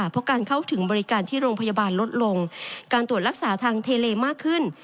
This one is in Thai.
เพราะการเข้าถึงบริการที่โรงพยาบาลลดลงการตรวจรักษาทางเทเลมากขึ้น